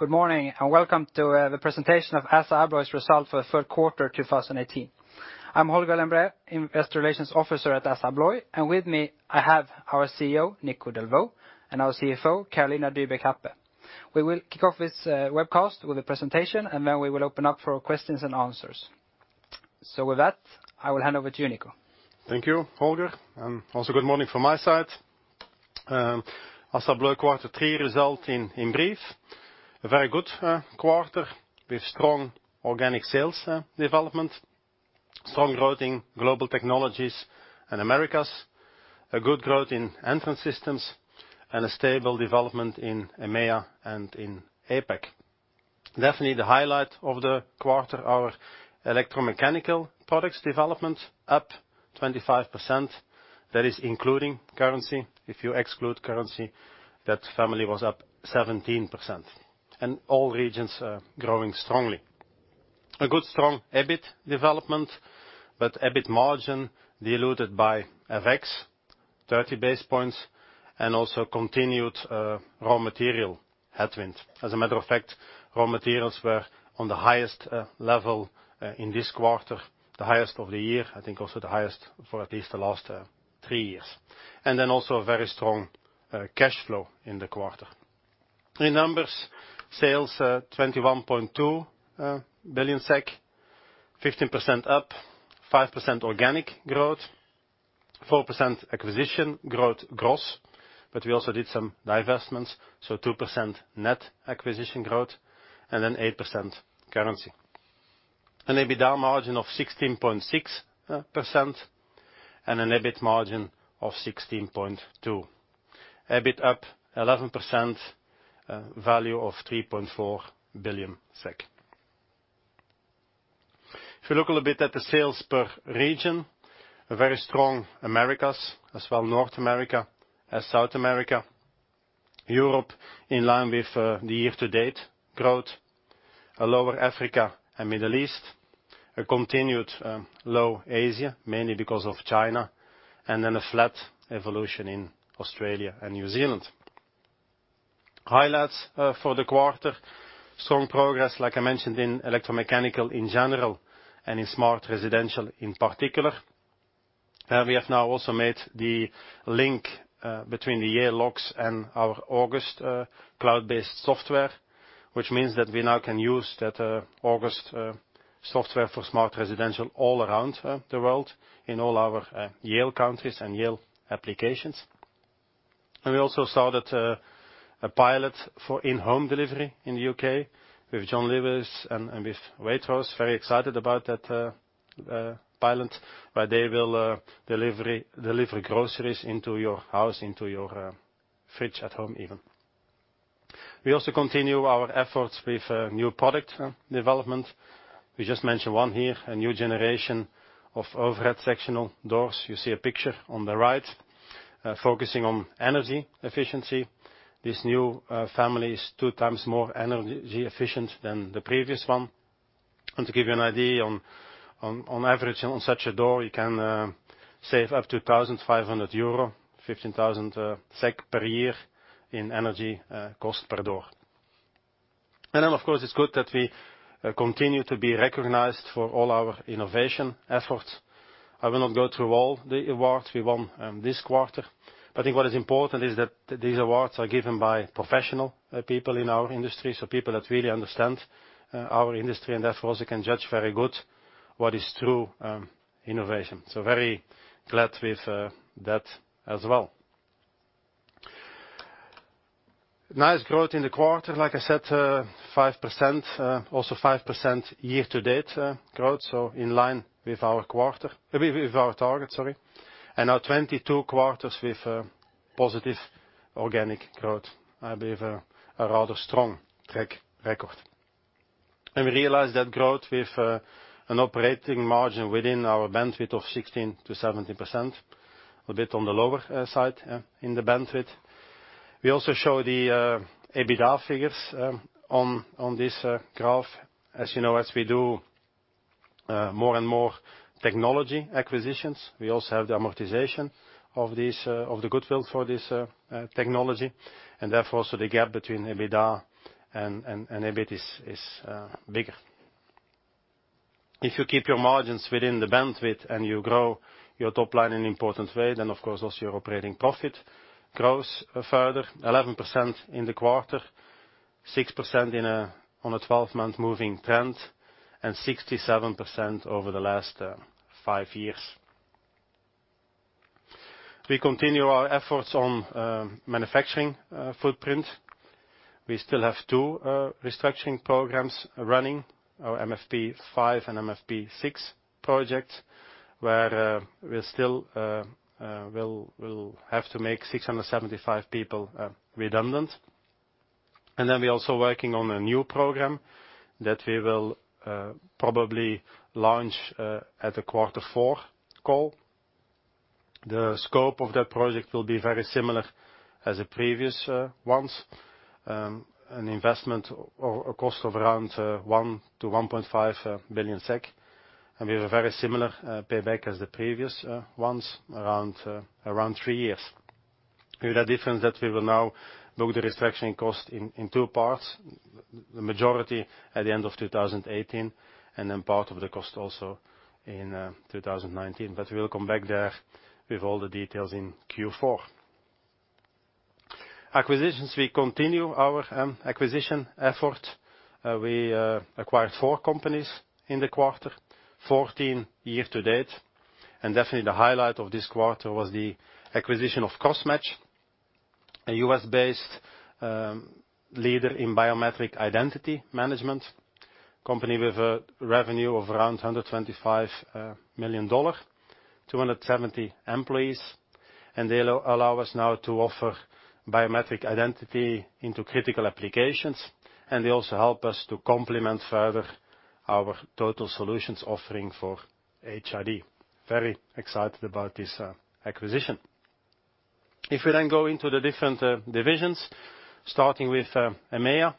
Good morning, welcome to the presentation of Assa Abloy's result for the third quarter 2018. I am Holger Lembrér, Investor Relations Officer at Assa Abloy, and with me, I have our CEO, Nico Delvaux, and our CFO, Carolina Dybeck Happe. We will kick off this webcast with a presentation, and then we will open up for questions and answers. With that, I will hand over to you, Nico. Thank you, Holger, also good morning from my side. Assa Abloy quarter three result in brief. A very good quarter with strong organic sales development, strong growth in Global Technologies and Americas, a good growth in Entrance Systems, and a stable development in EMEA and APAC. Definitely the highlight of the quarter, our electromechanical products development up 25%. That is including currency. If you exclude currency, that family was up 17%, and all regions are growing strongly. A good, strong EBIT development, but EBIT margin diluted by FX 30 basis points and also continued raw material headwind. As a matter of fact, raw materials were on the highest level in this quarter, the highest of the year, I think also the highest for at least the last three years. Also a very strong cash flow in the quarter. In numbers, sales 21.2 billion SEK, 15% up, 5% organic growth, 4% acquisition growth gross. We also did some divestments, 2% net acquisition growth, 8% currency. An EBITDA margin of 16.6% and an EBIT margin of 16.2%. EBIT up 11%, value of SEK 3.4 billion. If you look a little bit at the sales per region, very strong Americas, as well North America as South America. Europe in line with the year-to-date growth. A lower Africa and Middle East. A continued low Asia, mainly because of China, a flat evolution in Australia and New Zealand. Highlights for the quarter, strong progress, like I mentioned, in electromechanical in general and in smart residential in particular. We have now also made the link between the Yale locks and our August cloud-based software, which means that we now can use that August software for smart residential all around the world in all our Yale countries and Yale applications. We also started a pilot for in-home delivery in the U.K. with John Lewis and with Waitrose. Very excited about that pilot, where they will deliver groceries into your house, into your fridge at home even. We also continue our efforts with new product development. We just mentioned one here, a new generation of overhead sectional doors. You see a picture on the right, focusing on energy efficiency. This new family is two times more energy efficient than the previous one. To give you an idea, on average, on such a door, you can save up to 1,500 euro, 15,000 SEK per year in energy cost per door. Of course, it is good that we continue to be recognized for all our innovation efforts. I will not go through all the awards we won this quarter, but I think what is important is that these awards are given by professional people in our industry, so people that really understand our industry and therefore also can judge very good what is true innovation. Very glad with that as well. Nice growth in the quarter. Like I said, 5%, also 5% year-to-date growth, in line with our target. Now 22 quarters with positive organic growth. I believe a rather strong track record. We realize that growth with an operating margin within our bandwidth of 16%-17%, a bit on the lower side in the bandwidth. We also show the EBITDA figures on this graph. As you know, as we do more and more technology acquisitions, we also have the amortization of the goodwill for this technology, and therefore, the gap between EBITDA and EBIT is bigger. If you keep your margins within the bandwidth and you grow your top line in important way, of course also your operating profit grows further, 11% in the quarter, 6% on a 12-month moving trend, and 67% over the last five years. We continue our efforts on manufacturing footprint. We still have two restructuring programs running, our MFP5 and MFP6 projects, where we still will have to make 675 people redundant. We are also working on a new program that we will probably launch at the quarter four call. The scope of that project will be very similar as the previous ones. An investment or a cost of around 1 billion-1.5 billion SEK. We have a very similar payback as the previous ones, around three years. With that difference that we will now book the restructuring cost in two parts, the majority at the end of 2018, part of the cost also in 2019. We will come back there with all the details in Q4. Acquisitions, we continue our acquisition effort. We acquired four companies in the quarter, 14 year-to-date, and definitely the highlight of this quarter was the acquisition of Crossmatch, a U.S.-based leader in biometric identity management. Company with a revenue of around $125 million, 270 employees. They allow us now to offer biometric identity into critical applications, and they also help us to complement further our total solutions offering for HID. Very excited about this acquisition. If we then go into the different divisions, starting with EMEA,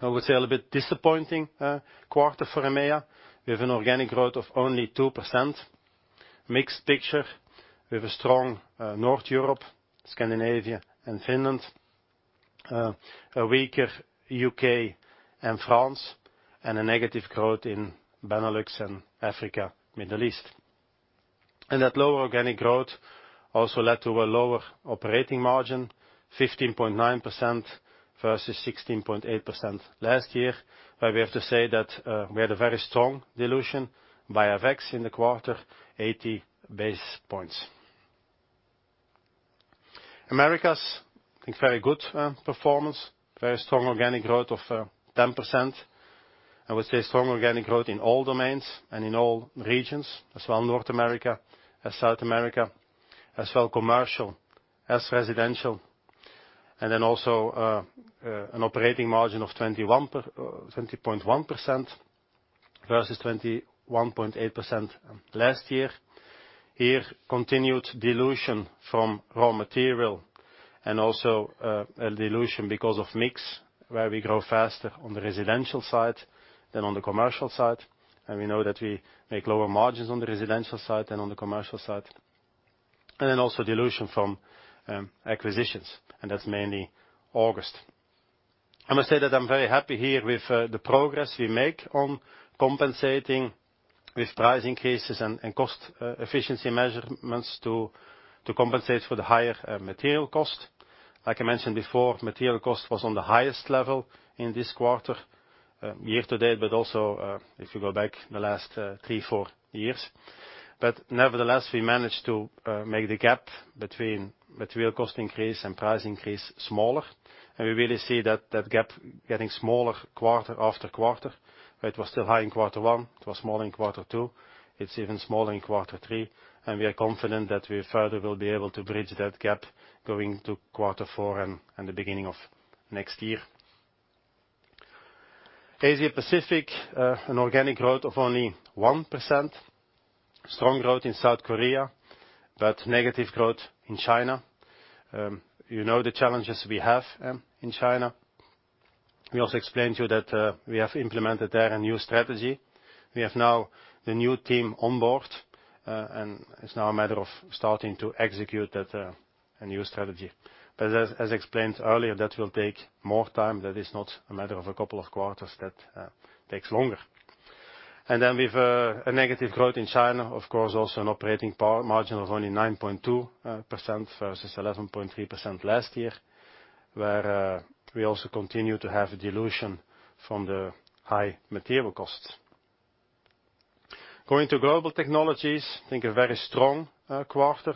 I would say a little bit disappointing quarter for EMEA. We have an organic growth of only 2%. Mixed picture with a strong North Europe, Scandinavia, and Finland, a weaker U.K. and France, and a negative growth in Benelux and Africa, Middle East. That lower organic growth also led to a lower operating margin, 15.9% versus 16.8% last year, where we have to say that we had a very strong dilution by FX in the quarter, 80 basis points. Americas, I think very good performance, very strong organic growth of 10%. I would say strong organic growth in all domains and in all regions, as well North America, as South America, as well commercial, as residential. Also an operating margin of 20.1% versus 21.8% last year. Here, continued dilution from raw material and also a dilution because of mix, where we grow faster on the residential side than on the commercial side. We know that we make lower margins on the residential side than on the commercial side. Also dilution from acquisitions, and that's mainly August. I must say that I'm very happy here with the progress we make on compensating with price increases and cost efficiency measurements to compensate for the higher material cost. Like I mentioned before, material cost was on the highest level in this quarter year-to-date, but also if you go back the last three, four years. Nevertheless, we managed to make the gap between material cost increase and price increase smaller. We really see that gap getting smaller quarter after quarter. It was still high in quarter one, it was small in quarter two, it's even smaller in quarter three. We are confident that we further will be able to bridge that gap going to quarter four and the beginning of next year. Asia Pacific, an organic growth of only 1%. Strong growth in South Korea, but negative growth in China. You know the challenges we have in China. We also explained to you that we have implemented there a new strategy. We have now the new team on board, and it's now a matter of starting to execute that new strategy. As explained earlier, that will take more time. That is not a matter of a couple of quarters. That takes longer. With a negative growth in China, of course, also an operating margin of only 9.2% versus 11.3% last year, where we also continue to have a dilution from the high material costs. Going to Global Technologies, I think a very strong quarter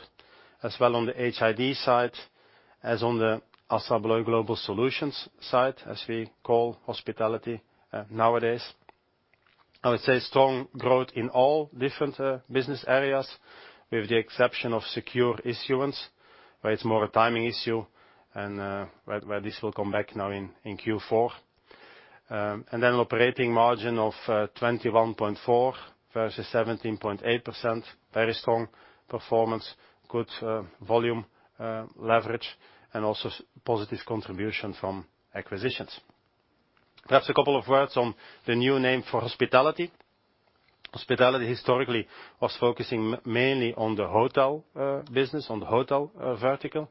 as well on the HID side as on the ASSA ABLOY Global Solutions side, as we call Hospitality nowadays. I would say strong growth in all different business areas, with the exception of Secure Issuance, where it's more a timing issue and where this will come back now in Q4. An operating margin of 21.4% versus 17.8%, very strong performance, good volume leverage, and also positive contribution from acquisitions. Perhaps a couple of words on the new name for Hospitality. Hospitality historically was focusing mainly on the hotel business, on the hotel vertical,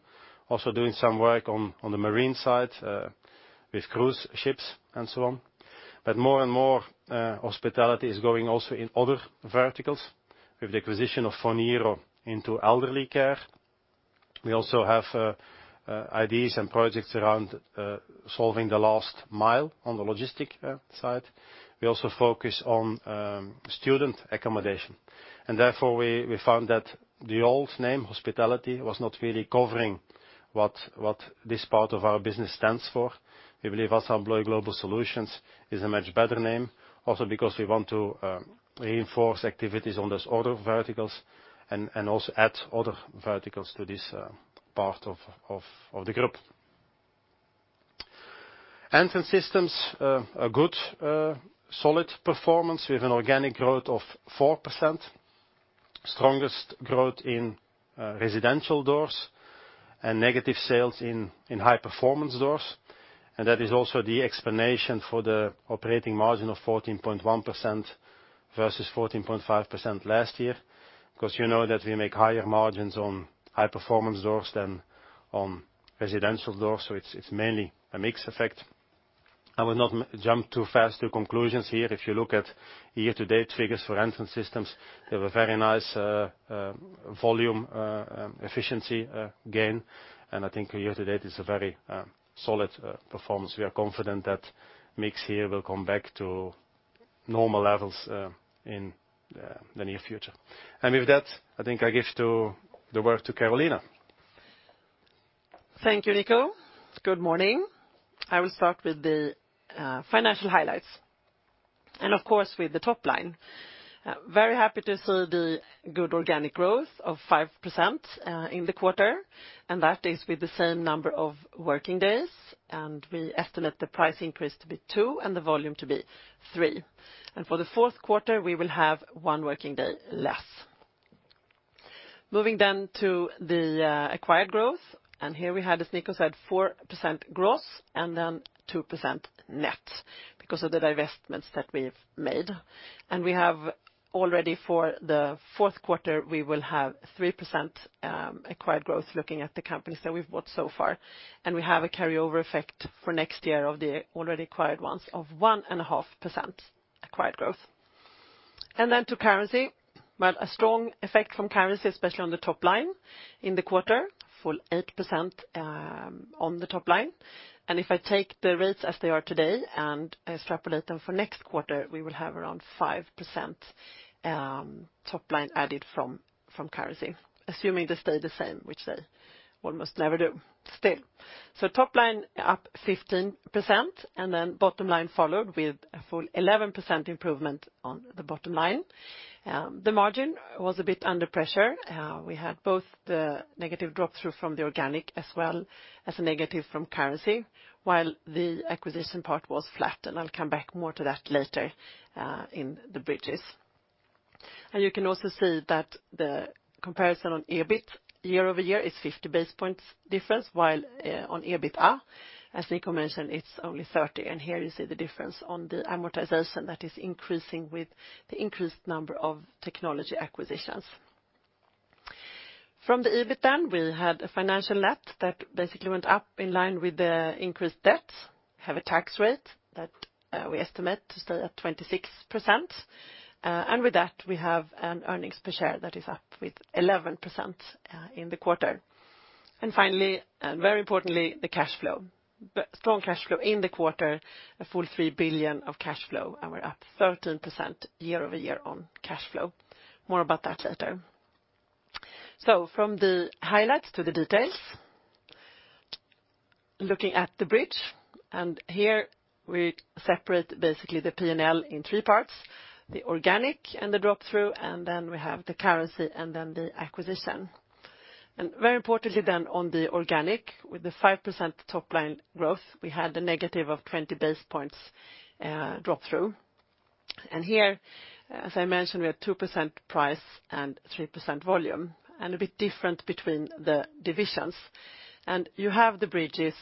also doing some work on the marine side with cruise ships and so on. More and more, Hospitality is going also in other verticals. With the acquisition of Phoniro into elderly care. We also have ideas and projects around solving the last mile on the logistic side. We also focus on student accommodation. Therefore, we found that the old name, Hospitality, was not really covering what this part of our business stands for. We believe ASSA ABLOY Global Solutions is a much better name, also because we want to reinforce activities on those other verticals and also add other verticals to this part of the group. Entrance Systems, a good, solid performance with an organic growth of 4%. Strongest growth in residential doors and negative sales in high-performance doors. That is also the explanation for the operating margin of 14.1% versus 14.5% last year. You know that we make higher margins on high-performance doors than on residential doors, it's mainly a mix effect. I will not jump too fast to conclusions here. If you look at year-to-date figures for Entrance Systems, they have a very nice volume efficiency gain, I think year-to-date is a very solid performance. We are confident that mix here will come back to normal levels in the near future. With that, I think I give the work to Carolina. Thank you, Nico. Good morning. I will start with the financial highlights, of course, with the top line. Very happy to see the good organic growth of 5% in the quarter, that is with the same number of working days. We estimate the price increase to be 2% and the volume to be 3%. For the fourth quarter, we will have one working day less. Moving to the acquired growth. Here we had, as Nico said, 4% gross, 2% net because of the divestments that we've made. We have already for the fourth quarter, we will have 3% acquired growth looking at the companies that we've bought so far. We have a carryover effect for next year of the already acquired ones of 1.5% acquired growth. To currency. Well, a strong effect from currency, especially on the top line in the quarter, a full 8% on the top line. If I take the rates as they are today and extrapolate them for next quarter, we will have around 5% top line added from currency, assuming they stay the same, which they almost never do. Still. Top line up 15%, bottom line followed with a full 11% improvement on the bottom line. The margin was a bit under pressure. We had both the negative drop-through from the organic as well as a negative from currency, while the acquisition part was flat. I'll come back more to that later in the bridges. You can also see that the comparison on EBIT year-over-year is 50 basis points difference, while on EBITDA, as Nico mentioned, it's only 30. Here you see the difference on the amortization that is increasing with the increased number of technology acquisitions. From the EBIT, we had a financial net that basically went up in line with the increased debt, have a tax rate that we estimate to stay at 26%. With that, we have an earnings per share that is up with 11% in the quarter. Finally, and very importantly, the cash flow. Strong cash flow in the quarter, a full 3 billion of cash flow, we're up 13% year-over-year on cash flow. More about that later. From the highlights to the details. Looking at the bridge, here we separate basically the P&L in three parts, the organic, the drop-through, we have the currency, the acquisition. Very importantly then on the organic with the 5% top line growth, we had a negative of 20 basis points drop-through. Here, as I mentioned, we had 2% price and 3% volume, and a bit different between the divisions. You have the bridges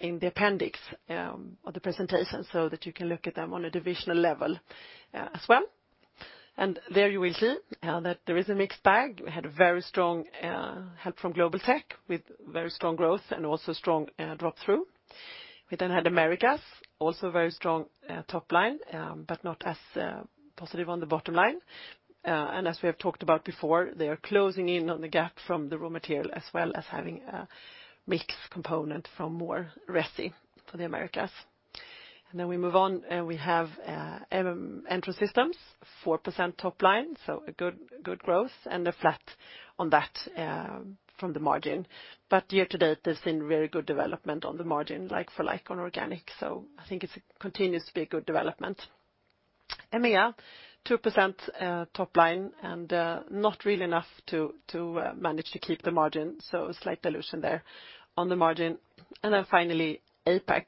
in the appendix of the presentation so that you can look at them on a divisional level as well. There you will see that there is a mixed bag. We had a very strong help from Global Tech with very strong growth and also strong drop-through. We then had Americas, also very strong top line but not as positive on the bottom line. As we have talked about before, they are closing in on the gap from the raw material, as well as having a mixed component from more RESI for the Americas. We move on and we have Entrance Systems, 4% top line, so a good growth and a flat on that from the margin. Year-to-date, they've seen very good development on the margin, like-for-like on organic. I think it continues to be a good development. EMEA, 2% top line and not really enough to manage to keep the margin. A slight dilution there on the margin. Finally, APAC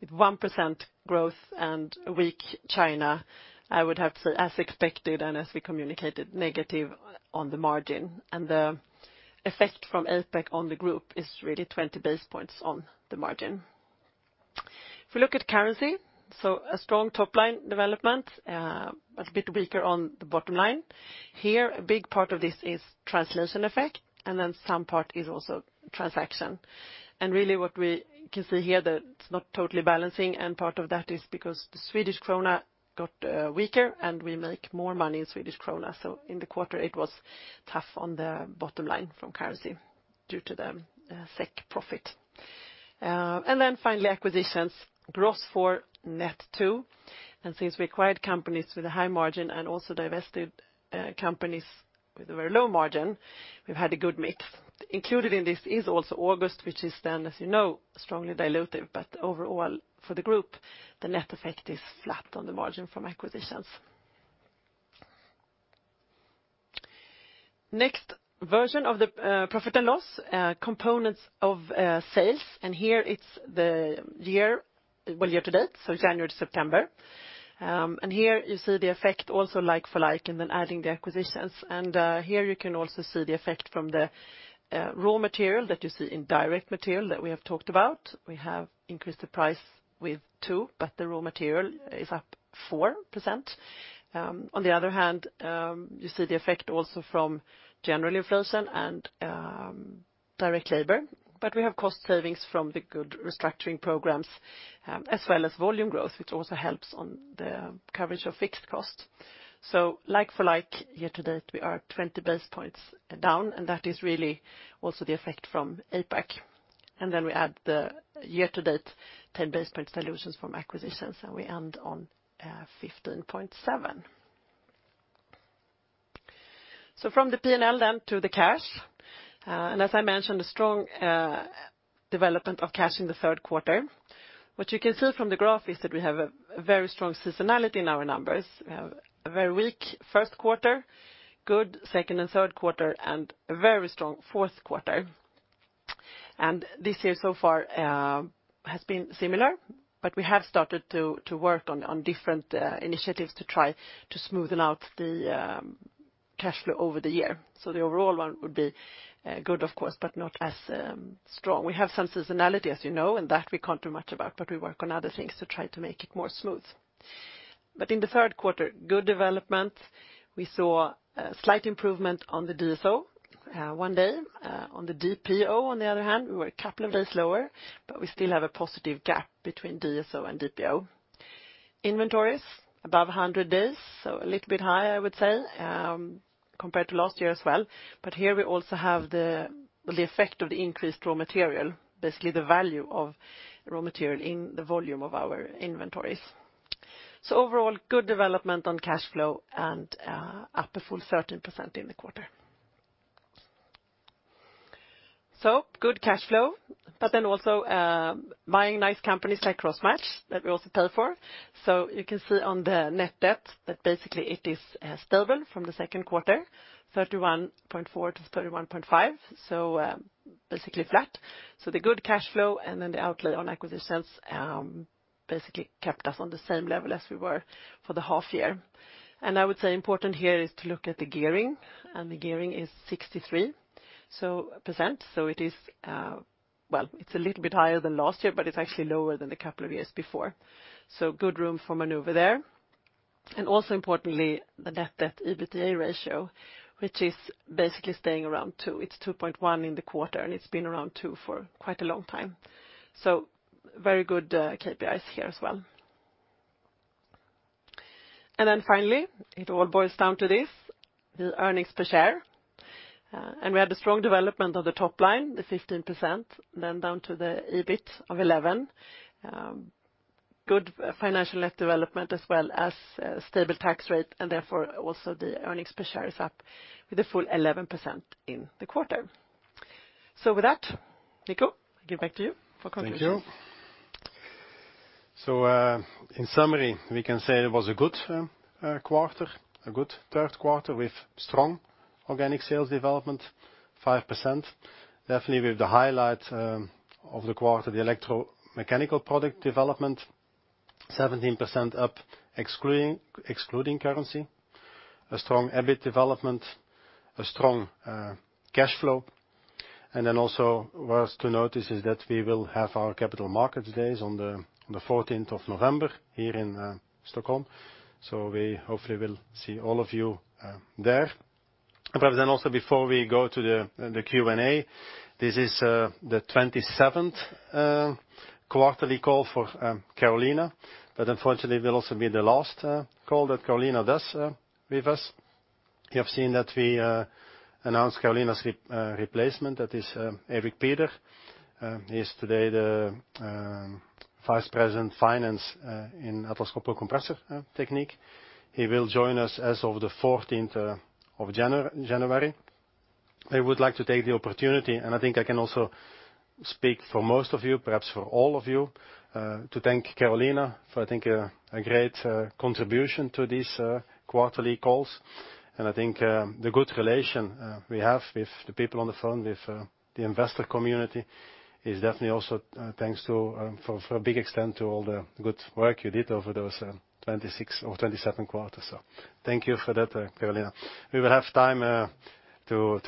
with 1% growth and a weak China, I would have to say as expected and as we communicated, negative on the margin. The effect from APAC on the group is really 20 basis points on the margin. If we look at currency, a strong top-line development, but a bit weaker on the bottom line. Here, a big part of this is translation effect, then some part is also transaction. Really what we can see here that it's not totally balancing, and part of that is because the Swedish krona got weaker, and we make more money in Swedish krona. In the quarter, it was tough on the bottom line from currency due to the SEK profit. Finally, acquisitions. Gross four, net two. Since we acquired companies with a high margin and also divested companies with a very low margin, we've had a good mix. Included in this is also August, which is then, as you know, strongly dilutive. Overall for the group, the net effect is flat on the margin from acquisitions. Next version of the profit and loss components of sales, here it's the year-- well, year-to-date, so January to September. Here you see the effect also like-for-like, and then adding the acquisitions. Here you can also see the effect from the raw material that you see in direct material that we have talked about. We have increased the price with 2%, but the raw material is up 4%. On the other hand, you see the effect also from general inflation and Direct labor, we have cost savings from the good restructuring programs, as well as volume growth, which also helps on the coverage of fixed cost. Like for like, year to date, we are 20 basis points down, and that is really also the effect from APAC. Then we add the year to date 10 basis point dilutions from acquisitions, and we end on 15.7. From the P&L then to the cash. As I mentioned, a strong development of cash in the third quarter. What you can see from the graph is that we have a very strong seasonality in our numbers. We have a very weak first quarter, good second and third quarter, and a very strong fourth quarter. This year so far has been similar, but we have started to work on different initiatives to try to smoothen out the cash flow over the year. The overall one would be good of course, but not as strong. We have some seasonality as you know, that we can't do much about, but we work on other things to try to make it more smooth. In the third quarter, good development. We saw a slight improvement on the DSO, one day. On the DPO, on the other hand, we were a couple of days lower, but we still have a positive gap between DSO and DPO. Inventories above 100 days, a little bit higher I would say, compared to last year as well. Here we also have the effect of the increased raw material, basically the value of raw material in the volume of our inventories. Overall, good development on cash flow and up a full 13% in the quarter. Good cash flow, but then also buying nice companies like Crossmatch that we also pay for. You can see on the net debt that basically it is stable from the second quarter, 31.4 to 31.5, basically flat. The good cash flow and then the outlay on acquisitions basically kept us on the same level as we were for the half year. I would say important here is to look at the gearing, the gearing is 63%, so it is a little bit higher than last year, but it's actually lower than the couple of years before. Good room for maneuver there. Also importantly, the net debt EBITDA ratio, which is basically staying around two. It's 2.1 in the quarter, and it's been around two for quite a long time. Very good KPIs here as well. Finally, it all boils down to this, the earnings per share. We had a strong development of the top line, the 15%, then down to the EBIT of 11. Good financial left development as well as a stable tax rate, and therefore also the earnings per share is up with a full 11% in the quarter. With that, Nico, I give back to you for conclusion. Thank you. In summary, we can say it was a good quarter, a good third quarter with strong organic sales development, 5%. Definitely with the highlight of the quarter, the electromechanical product development, 17% up excluding currency. A strong EBIT development, a strong cash flow. Also worth to notice is that we will have our capital markets days on the 14th of November here in Stockholm. We hopefully will see all of you there. Also before we go to the Q&A, this is the 27th quarterly call for Carolina, but unfortunately it will also be the last call that Carolina does with us. You have seen that we announced Carolina's replacement, that is Erik Pieder. He is today the Vice President Finance in Atlas Copco Compressor Technique. He will join us as of the 14th of January. I would like to take the opportunity, I think I can also speak for most of you, perhaps for all of you, to thank Carolina for I think a great contribution to these quarterly calls. I think the good relation we have with the people on the phone, with the investor community, is definitely also thanks for a big extent to all the good work you did over those 26 or 27 quarters. Thank you for that, Carolina. We will have time to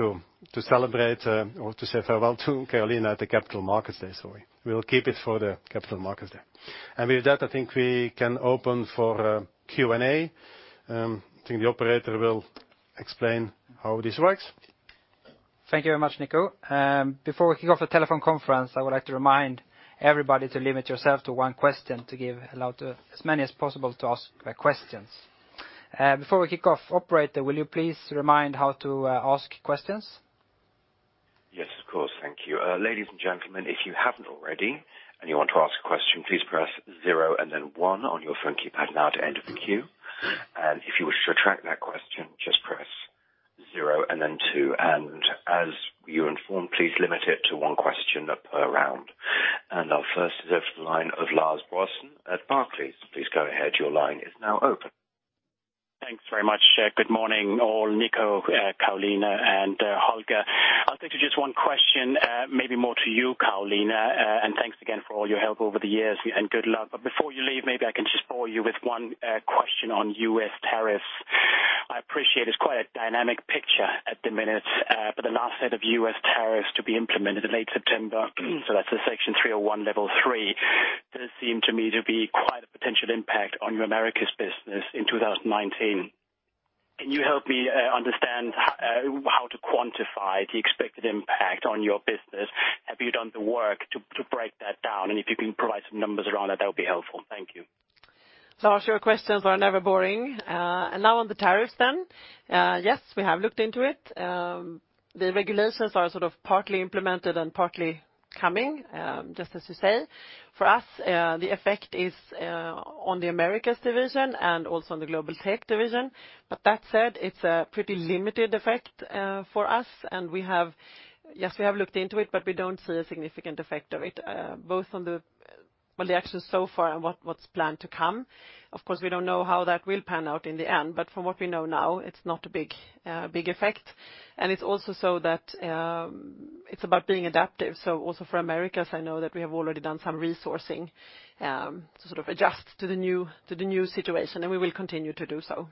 celebrate or to say farewell to Carolina at the Capital Markets Day. We will keep it for the Capital Markets Day. With that, I think we can open for Q&A. I think the operator will explain how this works. Thank you very much, Nico. Before we kick off the telephone conference, I would like to remind everybody to limit yourself to one question to give allow to as many as possible to ask questions. Before we kick off, operator, will you please remind how to ask questions? Yes, of course. Thank you. Ladies and gentlemen, if you haven't already and you want to ask a question, please press zero and then one on your phone keypad now to enter the queue. If you wish to retract that question, just press zero and then two. As you informed, please limit it to one question per round. Our first is over to the line of Lars Brorson at Barclays. Please go ahead. Your line is now open. Thanks very much. Good morning all, Nico, Carolina, and Holger. I'll stick to just one question, maybe more to you, Carolina. Thanks again for all your help over the years, and good luck. Before you leave, maybe I can just bore you with one question on U.S. tariffs. I appreciate it's quite a dynamic picture at the minute, but the last set of U.S. tariffs to be implemented in late September, so that's the Section 301 List 3, does seem to me to be quite a potential impact on your Americas business in 2019. Can you help me understand how to quantify the expected impact on your business? Have you done the work to break that down? If you can provide some numbers around that would be helpful. Thank you. Lars, your questions are never boring. Now on the tariffs. We have looked into it. The regulations are partly implemented and partly coming, just as you say. For us, the effect is on the Americas division and also on the Global Technologies division. That said, it's a pretty limited effect for us. We have looked into it. We don't see a significant effect of it, both on the actions so far and what's planned to come. Of course, we don't know how that will pan out in the end. From what we know now, it's not a big effect. It's also so that it's about being adaptive. Also for Americas, I know that we have already done some resourcing to sort of adjust to the new situation, and we will continue to do so.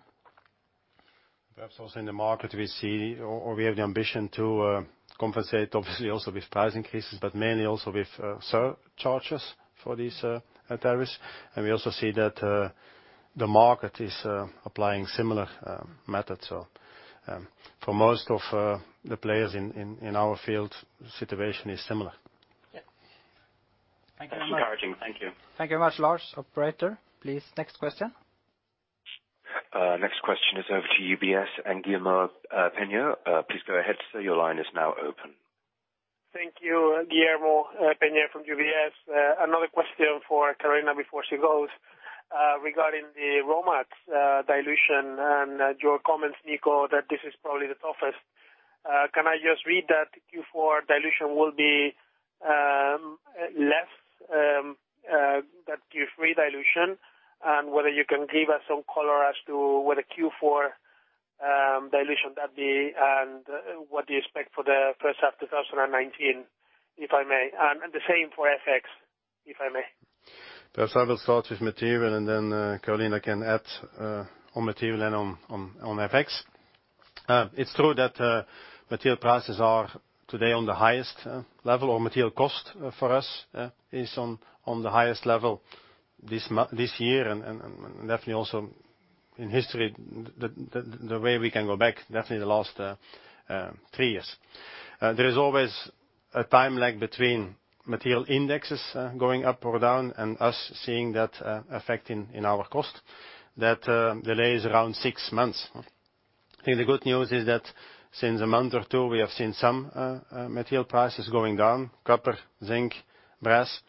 Perhaps also in the market we see, or we have the ambition to compensate, obviously also with price increases, mainly also with surcharges for these tariffs. We also see that the market is applying similar methods. For most of the players in our field, the situation is similar. Thank you very much. Encouraging. Thank you. Thank you very much, Lars. Operator, please, next question. Next question is over to UBS and Guillermo Peña. Please go ahead, sir. Your line is now open. Thank you. Guillermo Peña from UBS. Another question for Carolina before she goes. Regarding the raw mats dilution and your comments, Nico, that this is probably the toughest. Can I just read that Q4 dilution will be less that Q3 dilution? Whether you can give us some color as to whether Q4 dilution that be, and what do you expect for the first half 2019, if I may? The same for FX, if I may. Perhaps I will start with material and then Carolina can add on material and on FX. It's true that material prices are today on the highest level, or material cost for us is on the highest level this year and definitely also in history, the way we can go back, definitely the last three years. There is always a time lag between material indexes going up or down and us seeing that effect in our cost. That delay is around six months. I think the good news is that since a month or two, we have seen some material prices going down, copper, zinc, brass.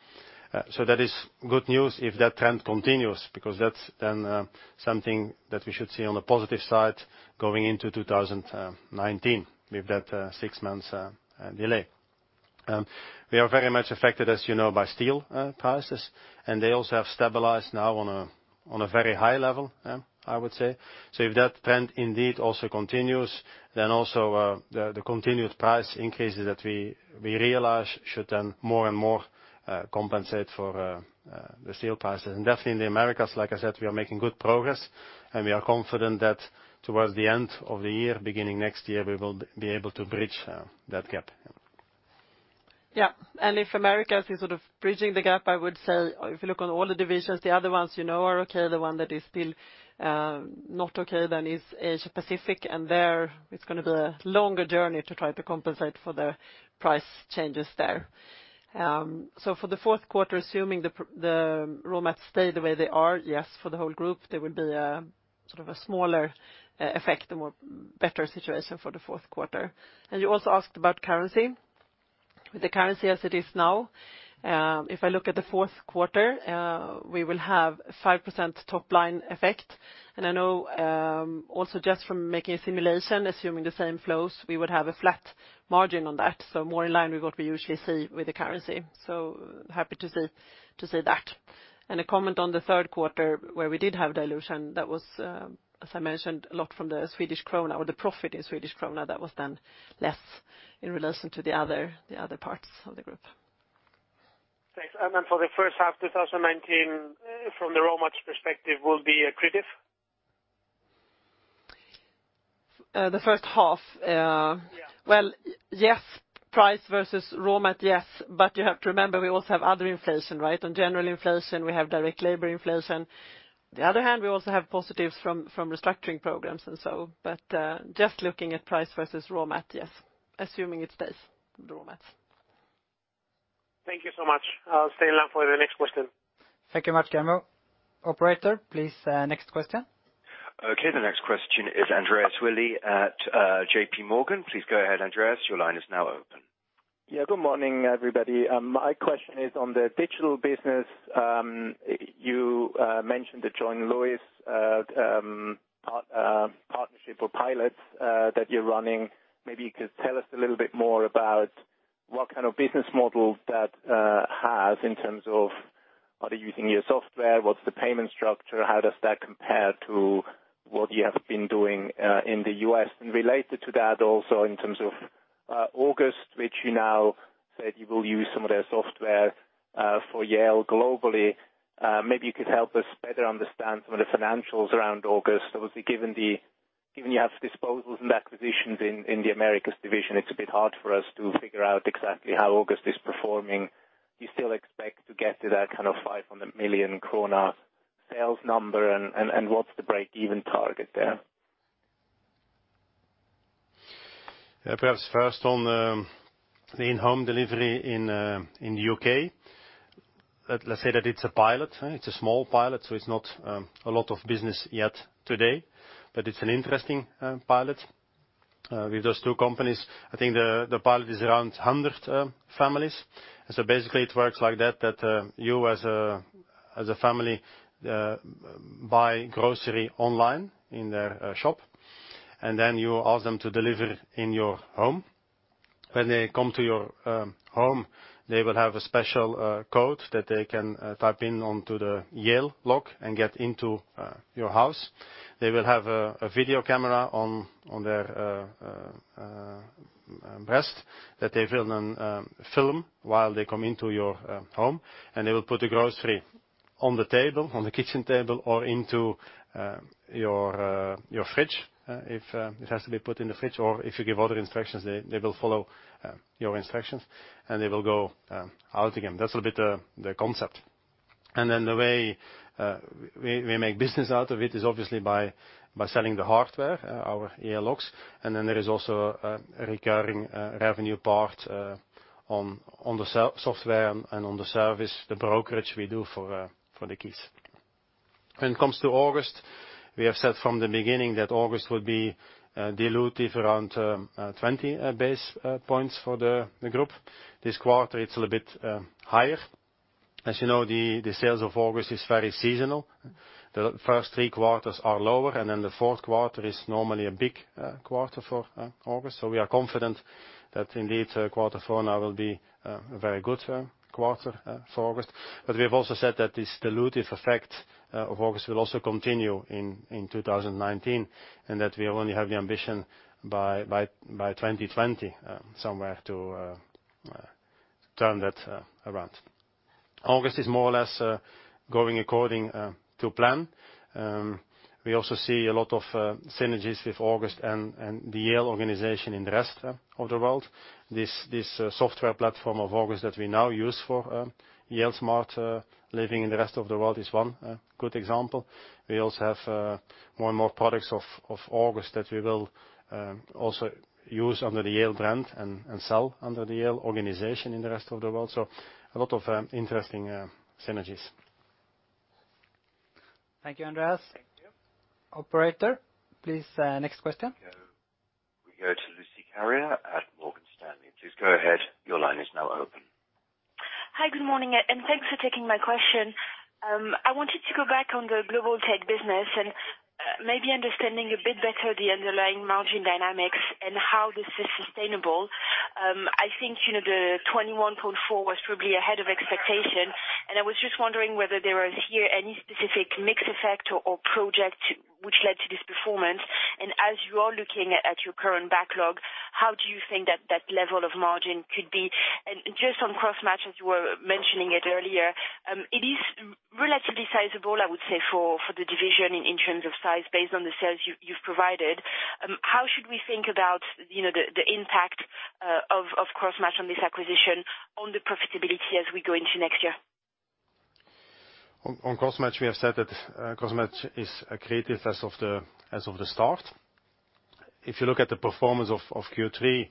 That is good news if that trend continues, because that's then something that we should see on the positive side going into 2019 with that six months delay. We are very much affected, as you know, by steel prices, they also have stabilized now on a very high level, I would say. If that trend indeed also continues, then also the continued price increases that we realize should then more and more compensate for the steel prices. Definitely in the Americas, like I said, we are making good progress, and we are confident that towards the end of the year, beginning next year, we will be able to bridge that gap. If Americas is sort of bridging the gap, I would say if you look on all the divisions, the other ones you know are okay. The one that is still not okay then is Asia Pacific, and there it's going to be a longer journey to try to compensate for the price changes there. For the fourth quarter, assuming the raw mats stay the way they are, yes, for the whole group, there will be a sort of a smaller effect, a more better situation for the fourth quarter. You also asked about currency. With the currency as it is now if I look at the fourth quarter, we will have 5% top line effect. I know also just from making a simulation, assuming the same flows, we would have a flat margin on that. More in line with what we usually see with the currency. Happy to say that. A comment on the third quarter where we did have dilution, that was, as I mentioned, a lot from the Swedish krona or the profit in Swedish krona that was then less in relation to the other parts of the group. Thanks. For the first half 2019, from the raw mats perspective, will be accretive? The first half? Yeah. Well, yes, price versus raw mat, yes. You have to remember, we also have other inflation, right? On general inflation, we have direct labor inflation. On the other hand, we also have positives from restructuring programs and so. Just looking at price versus raw mat, yes, assuming it stays the raw mats. Thank you so much. I'll stay on line for the next question. Thank you much, Guillermo. Operator, please, next question. Okay, the next question is Andreas Willi at JPMorgan. Please go ahead, Andre, your line is now open. Good morning, everybody. My question is on the digital business. You mentioned the John Lewis partnership or pilot that you're running. Maybe you could tell us a little bit more about what kind of business model that has in terms of, are they using your software? What's the payment structure? How does that compare to what you have been doing in the U.S.? And related to that also in terms of August, which you now said you will use some of their software for Yale globally. Maybe you could help us better understand some of the financials around August. Obviously, given you have disposals and acquisitions in the Americas division, it's a bit hard for us to figure out exactly how August is performing Do you still expect to get to that 500 million krona sales number, and what's the break-even target there? Perhaps first on the in-home delivery in the U.K. Let's say that it's a pilot. It's a small pilot, so it's not a lot of business yet today. But it's an interesting pilot with those two companies. I think the pilot is around 100 families. So basically it works like that you as a family, buy grocery online in their shop, and then you ask them to deliver in your home. When they come to your home, they will have a special code that they can type in onto the Yale lock and get into your house. They will have a video camera on their breast that they will then film while they come into your home, and they will put the grocery on the table, on the kitchen table, or into your fridge, if it has to be put in the fridge, or if you give other instructions, they will follow your instructions, and they will go out again. That's a bit the concept. The way we make business out of it is obviously by selling the hardware, our Yale locks. There is also a recurring revenue part on the software and on the service, the brokerage we do for the keys. When it comes to August, we have said from the beginning that August would be dilutive around 20 basis points for the group. This quarter, it's a little bit higher. As you know, the sales of August is very seasonal. The first three quarters are lower. The fourth quarter is normally a big quarter for August. We are confident that indeed, quarter four now will be a very good quarter for August. We have also said that this dilutive effect of August will also continue in 2019, and that we only have the ambition by 2020 somewhere to turn that around. August is more or less going according to plan. We also see a lot of synergies with August and the Yale organization in the rest of the world. This software platform of August that we now use for Yale Smart Living in the rest of the world is one good example. We also have more and more products of August that we will also use under the Yale brand and sell under the Yale organization in the rest of the world. A lot of interesting synergies. Thank you, Andre. Thank you. Operator, please, next question. We go to Lucie Carrier at Morgan Stanley. Please go ahead. Your line is now open. Hi, good morning, thanks for taking my question. I wanted to go back on the Global Technologies business and maybe understanding a bit better the underlying margin dynamics and how this is sustainable. I think the 21.4% was probably ahead of expectation, and I was just wondering whether there was here any specific mix effect or project which led to this performance. As you are looking at your current backlog, how do you think that level of margin could be? Just on Crossmatch, as you were mentioning it earlier, it is relatively sizable, I would say, for the division in terms of size, based on the sales you've provided. How should we think about the impact of Crossmatch on this acquisition, on the profitability as we go into next year? On Crossmatch, we have said that Crossmatch is accretive as of the start. If you look at the performance of Q3,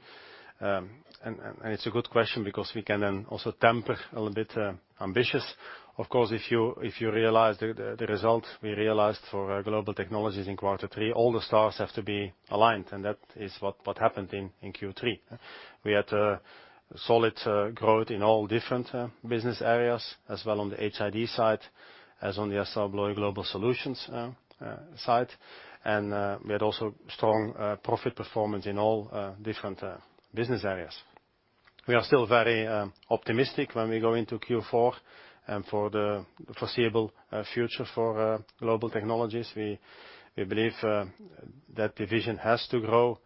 it is a good question because we can also temper a little bit ambitious. Of course, if you realize the result we realized for our Global Technologies in quarter three, all the stars have to be aligned, and that is what happened in Q3. We had a solid growth in all different business areas as well on the HID side, as on the Assa Abloy Global Solutions side. We had also strong profit performance in all different business areas. We are still very optimistic when we go into Q4 and for the foreseeable future for Global Technologies. We believe that division has to grow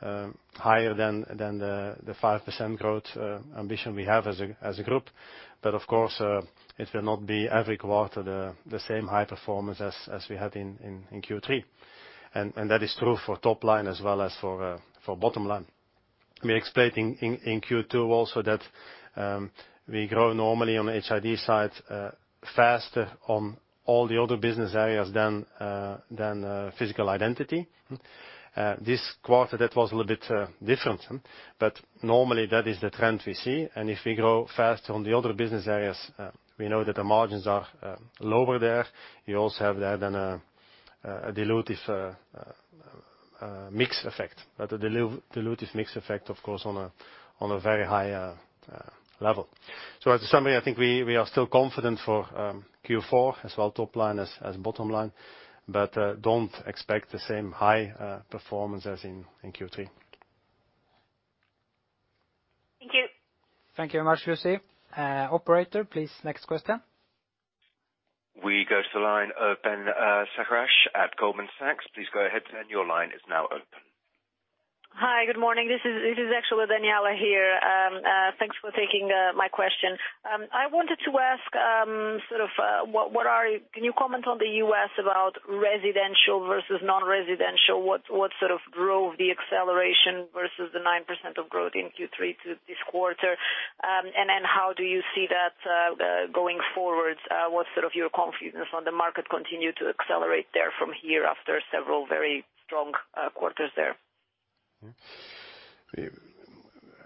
higher than the 5% growth ambition we have as a group. Of course, it will not be every quarter the same high performance as we had in Q3. That is true for top line as well as for bottom line. We explained in Q2 also that we grow normally on the HID side faster on all the other business areas than Physical Identity. This quarter, that was a little bit different, but normally that is the trend we see, and if we grow faster on the other business areas, we know that the margins are lower there. You also have there then a dilutive mix effect, but a dilutive mix effect, of course, on a very high level. As a summary, I think we are still confident for Q4, as well top line as bottom line, but don't expect the same high performance as in Q3. Thank you. Thank you very much, Lucie. Operator, please next question. We go to the line of Ben Seccareccia at Goldman Sachs. Please go ahead, sir. Your line is now open Hi, good morning. This is actually Daniela here. Thanks for taking my question. I wanted to ask, can you comment on the U.S. about residential versus non-residential? What drove the acceleration versus the 9% of growth in Q3 to this quarter? How do you see that going forward? What's your confidence on the market continue to accelerate there from here after several very strong quarters there?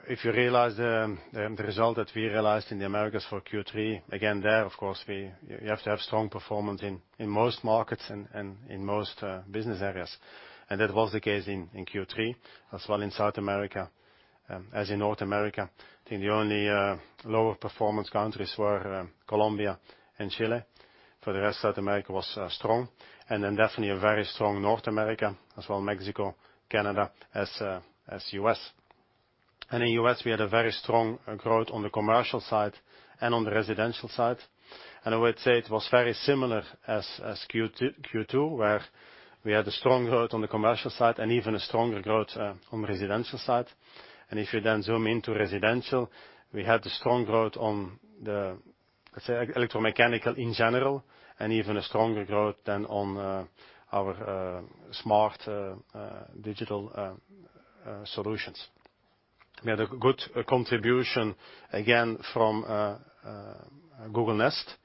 If you realize the result that we realized in the Americas for Q3, again, there, of course, you have to have strong performance in most markets and in most business areas. That was the case in Q3, as well in South America, as in North America. I think the only lower performance countries were Colombia and Chile. For the rest, South America was strong. Definitely a very strong North America as well, Mexico, Canada, as U.S. In U.S., we had a very strong growth on the commercial side and on the residential side. I would say it was very similar as Q2, where we had a strong growth on the commercial side and even a stronger growth on residential side. If you then zoom into residential, we had a strong growth on the, let's say, electromechanical in general, even a stronger growth than on our smart digital solutions. We had a good contribution again from Google Nest.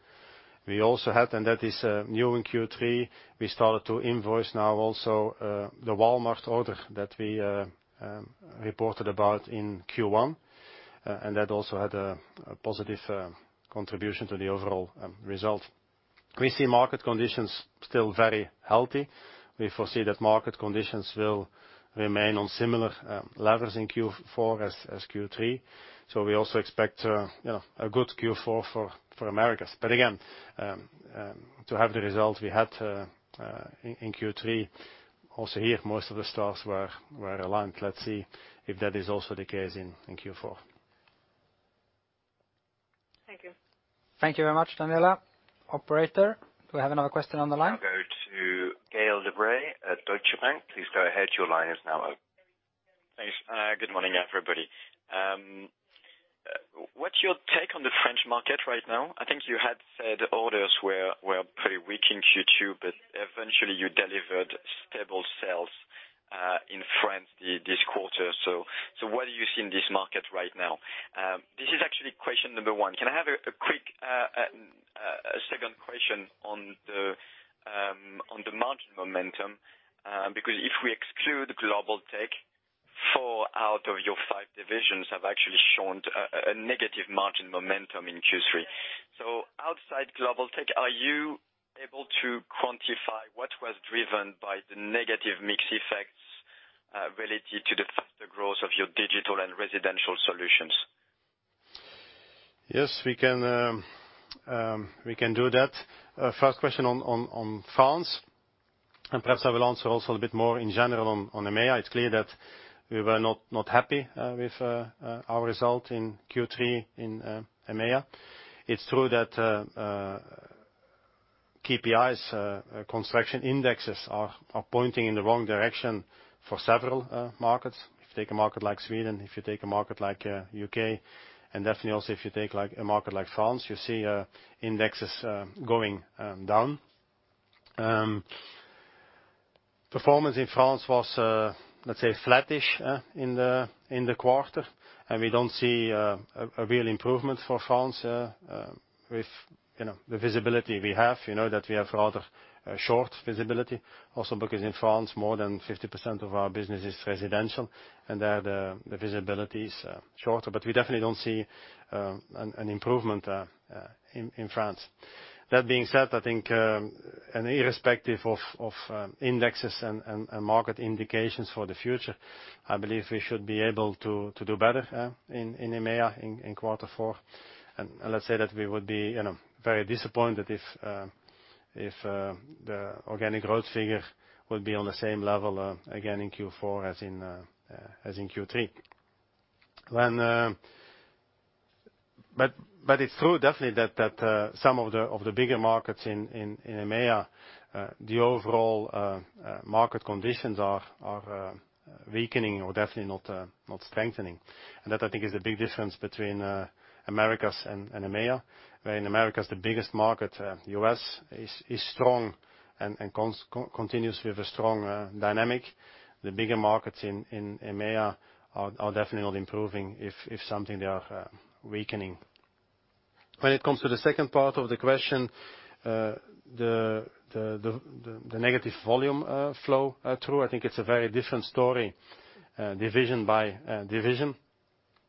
We also had, that is new in Q3, we started to invoice now also the Walmart order that we reported about in Q1. That also had a positive contribution to the overall result. We see market conditions still very healthy. We foresee that market conditions will remain on similar levels in Q4 as Q3. We also expect a good Q4 for Americas. Again, to have the results we had in Q3, also here, most of the stars were aligned. Let's see if that is also the case in Q4. Thank you. Thank you very much, Daniela. Operator, do we have another question on the line? We will go to Gael de-Bray at Deutsche Bank. Please go ahead. Your line is now open. Thanks. Good morning, everybody. What is your take on the French market right now? I think you had said orders were pretty weak in Q2, eventually you delivered stable sales in France this quarter. What do you see in this market right now? This is actually question number one. Can I have a quick second question on the margin momentum? Because if we exclude Global Technologies, four out of your five divisions have actually shown a negative margin momentum in Q3. Outside Global Technologies, are you able to quantify what was driven by the negative mix effects related to the faster growth of your digital and residential solutions? Yes, we can do that. First question on France. Perhaps I will answer also a bit more in general on EMEA. It's clear that we were not happy with our result in Q3 in EMEA. It's true that KPIs, construction indexes are pointing in the wrong direction for several markets. If you take a market like Sweden, if you take a market like U.K., and definitely also if you take a market like France, you see indexes going down. Performance in France was, let's say, flattish in the quarter. We don't see a real improvement for France with the visibility we have, that we have rather short visibility. Also because in France, more than 50% of our business is residential, and there the visibility is shorter. We definitely don't see an improvement in France. That being said, I think irrespective of indexes and market indications for the future, I believe we should be able to do better in EMEA in quarter four. Let's say that we would be very disappointed if the organic growth figure would be on the same level again in Q4 as in Q3. It's true, definitely that some of the bigger markets in EMEA, the overall market conditions are weakening or definitely not strengthening. That I think is a big difference between Americas and EMEA, where in Americas, the biggest market, U.S., is strong and continues with a strong dynamic. The bigger markets in EMEA are definitely not improving. If something, they are weakening. When it comes to the second part of the question, the negative volume flow through, I think it's a very different story division by division.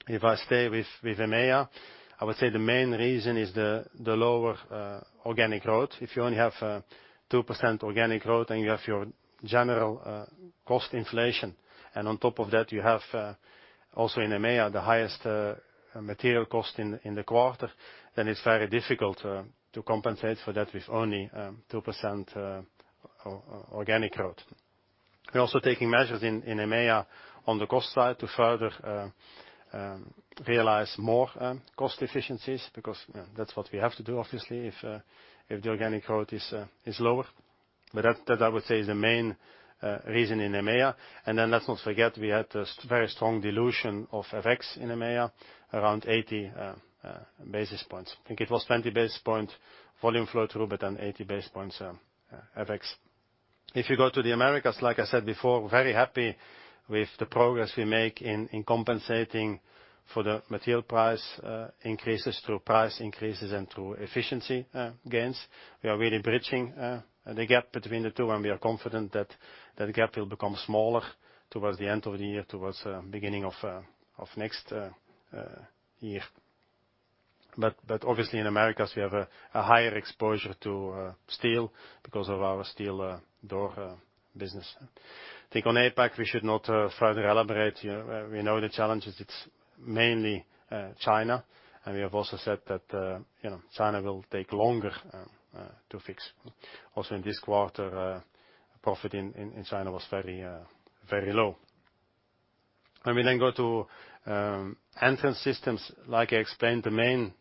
If I stay with EMEA, I would say the main reason is the lower organic growth. If you only have 2% organic growth and you have your general cost inflation, and on top of that, you have also in EMEA, the highest material cost in the quarter, then it's very difficult to compensate for that with only 2% organic growth. We're also taking measures in EMEA on the cost side to further realize more cost efficiencies, because that's what we have to do, obviously, if the organic growth is lower. That, I would say, is the main reason in EMEA. Then let's not forget, we had a very strong dilution of FX in EMEA, around 80 basis points. I think it was 20 basis point volume flow-through, then 80 basis points FX. If you go to the Americas, like I said before, very happy with the progress we make in compensating for the material price increases through price increases and through efficiency gains. We are really bridging the gap between the two. We are confident that gap will become smaller towards the end of the year, towards the beginning of next year. Obviously, in Americas, we have a higher exposure to steel because of our steel door business. I think on APAC, we should not further elaborate here. We know the challenges. It's mainly China. We have also said that China will take longer to fix. Also, in this quarter, profit in China was very low. When we then go to Entrance Systems, like I explained, the main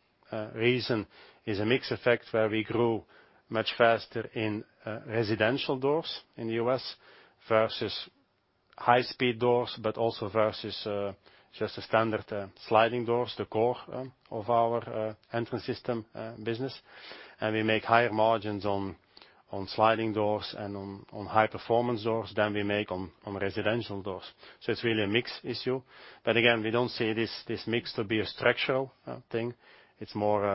reason is a mix effect where we grew much faster in residential doors in the U.S. versus high-speed doors, but also versus just the standard sliding doors, the core of our Entrance Systems business. We make higher margins on sliding doors and on high-performance doors than we make on residential doors. It's really a mix issue. Again, we don't see this mix to be a structural thing. It's more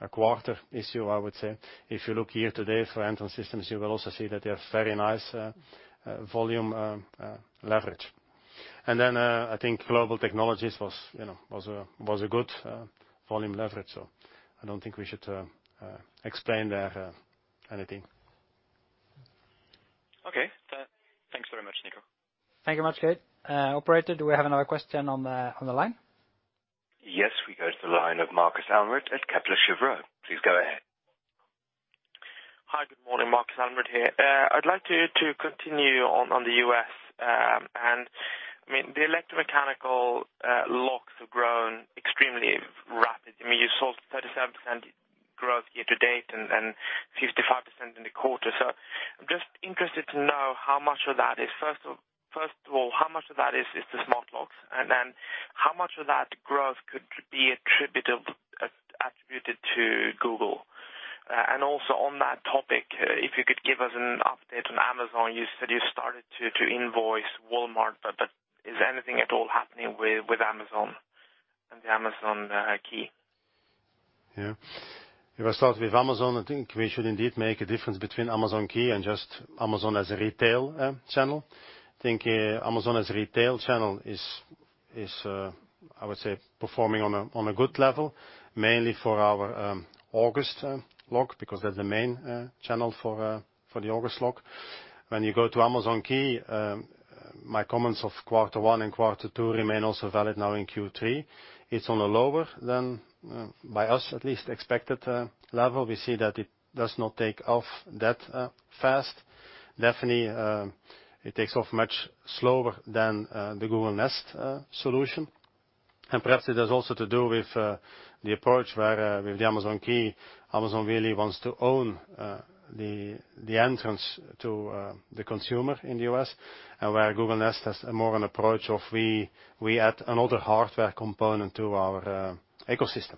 a quarter issue, I would say. If you look year-to-date for Entrance Systems, you will also see that they have very nice volume leverage. Then, I think Global Technologies was a good volume leverage, so I don't think we should explain there anything. Okay. Thanks very much, Nico. Thank you much, Operator. Operator, do we have another question on the line? Yes, we go to the line of Markus Almerud at Kepler Cheuvreux. Please go ahead. Hi, good morning. Markus Almerud here. I'd like to continue on the U.S. The electromechanical locks have grown extremely rapid. You saw 37% growth year-to-date and 55% in the quarter. I'm just interested to know how much of that is, first of all, how much of that is the smart locks, then how much of that growth could be attributed to Google? Also on that topic, if you could give us an update on Amazon. You said you started to invoice Walmart, is anything at all happening with Amazon and the Amazon Key? Yeah. If I start with Amazon, I think we should indeed make a difference between Amazon Key and just Amazon as a retail channel. I think Amazon as a retail channel is, I would say, performing on a good level, mainly for our August lock, because that's the main channel for the August lock. When you go to Amazon Key, my comments of Q1 and Q2 remain also valid now in Q3. It's on a lower than, by us at least, expected level. We see that it does not take off that fast. Definitely, it takes off much slower than the Google Nest solution. Perhaps it has also to do with the approach where with the Amazon Key, Amazon really wants to own the entrance to the consumer in the U.S., where Google Nest has more an approach of we add another hardware component to our ecosystem.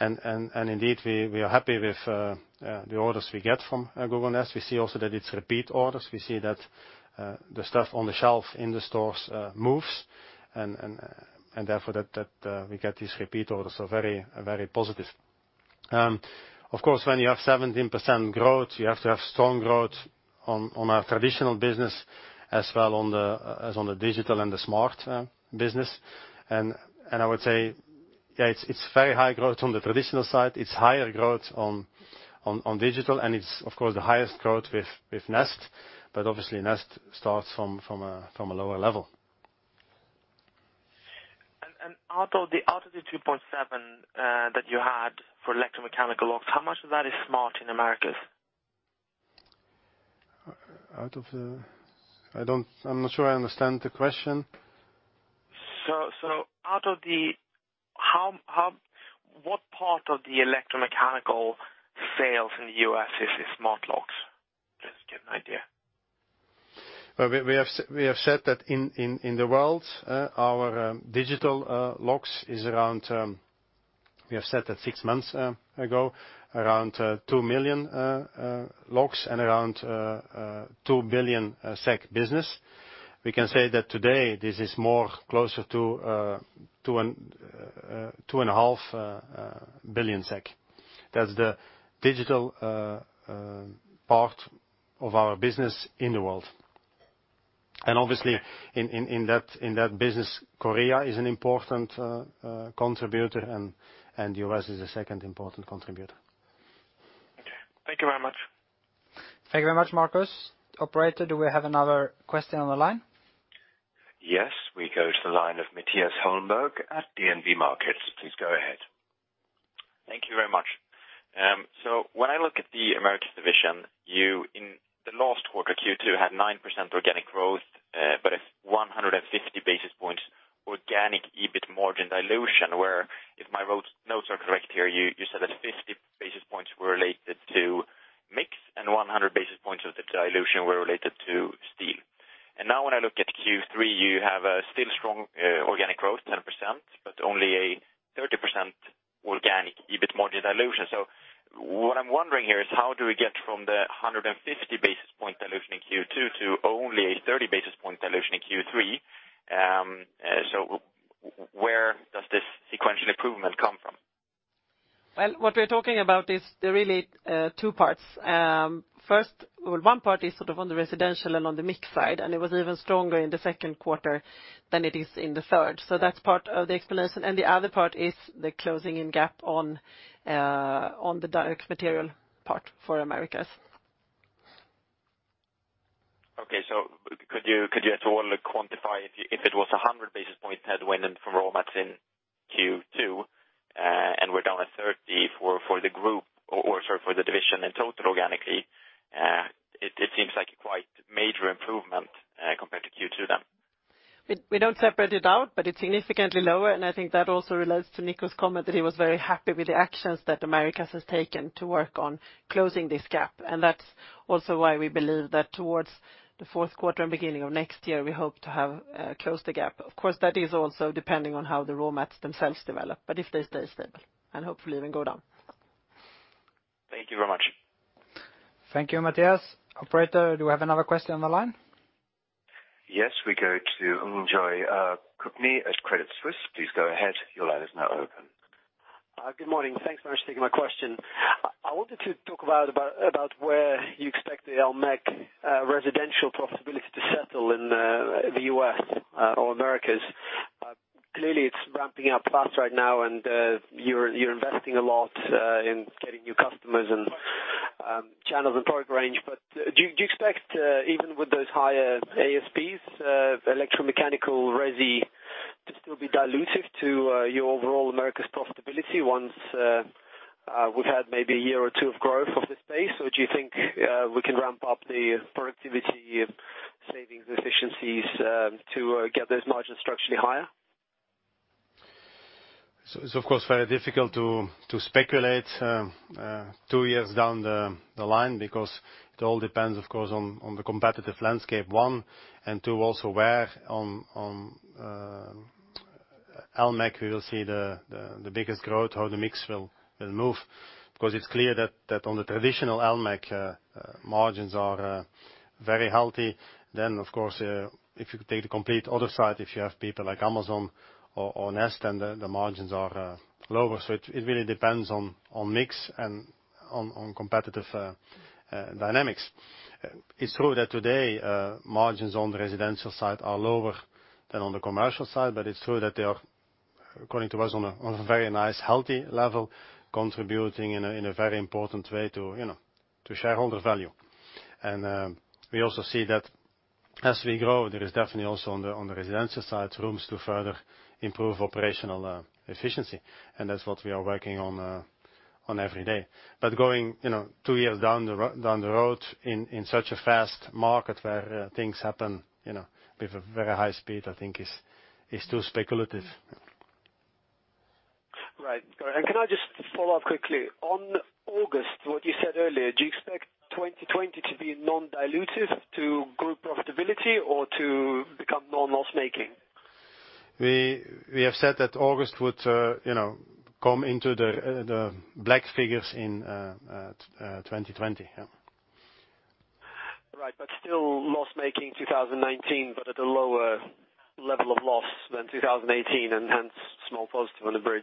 Indeed, we are happy with the orders we get from Google Nest. We see also that it's repeat orders. We see that the stuff on the shelf in the stores moves, therefore that we get these repeat orders are very positive. Of course, when you have 17% growth, you have to have strong growth on our traditional business as well as on the digital and the smart business. I would say, yeah, it's very high growth on the traditional side, it's higher growth on digital, it's, of course, the highest growth with Nest. Obviously, Nest starts from a lower level. Out of the 2.7 that you had for electromechanical locks, how much of that is smart in Americas? Out of the I'm not sure I understand the question. What part of the electromechanical sales in the U.S. is smart locks? Just to get an idea. We have said that in the world, our digital locks is around, we have said that six months ago, around 2 million locks and around 2 billion SEK business. We can say that today this is more closer to 2.5 billion SEK. That's the digital part of our business in the world. Obviously in that business, Korea is an important contributor and the U.S. is the second important contributor. Okay. Thank you very much. Thank you very much, Markus. Operator, do we have another question on the line? Yes, we go to the line of Mattias Holmberg at DNB Markets. Please go ahead. Thank you very much. When I look at the Americas division, you in the last quarter Q2 had 9% organic growth, but a 150 basis point Organic EBIT margin dilution, where, if my notes are correct here, you said that 50 basis points were related to mix and 100 basis points of the dilution were related to steel. Now when I look at Q3, you have a still strong organic growth, 10%, but only a 30% organic EBIT margin dilution. What I'm wondering here is how do we get from the 150 basis point dilution in Q2 to only a 30 basis point dilution in Q3? Where does this sequential improvement come from? Well, what we're talking about is really two parts. Well, one part is on the residential and on the mix side, and it was even stronger in the second quarter than it is in the third. That's part of the explanation. The other part is the closing in gap on the direct material part for Americas. Could you at all quantify if it was 100 basis points headwind from raw mats in Q2, and we're down to 30 for the division in total organically. It seems like a quite major improvement compared to Q2 then. We don't separate it out, but it's significantly lower. I think that also relates to Nico's comment that he was very happy with the actions that Americas has taken to work on closing this gap. That's also why we believe that towards the fourth quarter and beginning of next year, we hope to have closed the gap. Of course, that is also depending on how the raw mats themselves develop. If they stay stable, and hopefully even go down. Thank you very much. Thank you, Mattias. Operator, do we have another question on the line? Yes. We go to Andre Kukhnin at Credit Suisse. Please go ahead. Your line is now open. Good morning. Thanks very much for taking my question. I wanted to talk about where you expect the electromechanical residential profitability to settle in the U.S. or Americas. Clearly, it's ramping up fast right now, and you're investing a lot in getting new customers and channels and product range. Do you expect, even with those higher ASPs, electromechanical resi to still be dilutive to your overall Americas profitability once we've had maybe a year or two of growth of the space? Do you think we can ramp up the productivity savings efficiencies to get those margins structurally higher? It's of course, very difficult to speculate two years down the line because it all depends, of course, on the competitive landscape, one, and two, also where on electromechanical we will see the biggest growth, how the mix will move. It's clear that on the traditional electromechanical margins are very healthy. Of course, if you take the complete other side, if you have people like Amazon or Nest, then the margins are lower. It really depends on mix and on competitive dynamics. It's true that today margins on the residential side are lower than on the commercial side, it's true that they are, according to us, on a very nice, healthy level, contributing in a very important way to shareholder value. We also see that as we grow, there is definitely also on the residential side, rooms to further improve operational efficiency. That's what we are working on every day. Going two years down the road in such a fast market where things happen with a very high speed, I think is too speculative. Right. Got it. Can I just follow up quickly? On August, what you said earlier, do you expect 2020 to be non-dilutive to group profitability or to become non-loss-making? We have said that August would come into the black figures in 2020, yeah. Right. Still loss-making 2019, but at a lower level of loss than 2018, and hence small positive on the bridge.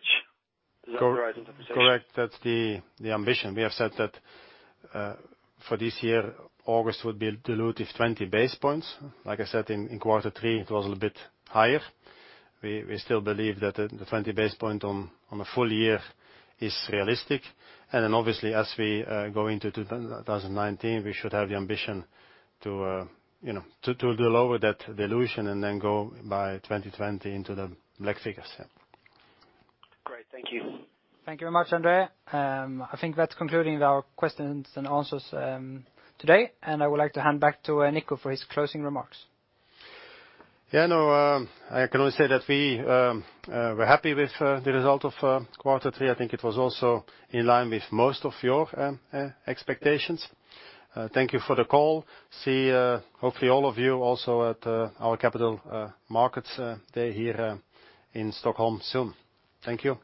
Is that a right interpretation? Correct. That's the ambition. We have said that for this year, August would be dilutive 20 basis points. Like I said, in quarter three, it was a little bit higher. We still believe that the 20 basis points on a full year is realistic. Then obviously as we go into 2019, we should have the ambition to lower that dilution and then go by 2020 into the black figures, yeah. Great. Thank you. Thank you very much, Andre. I think that's concluding our questions and answers today. I would like to hand back to Nico for his closing remarks. Yeah. No, I can only say that we're happy with the result of quarter three. I think it was also in line with most of your expectations. Thank you for the call. See, hopefully all of you also at our Capital Markets Day here in Stockholm soon. Thank you.